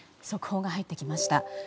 速報が入ってきました。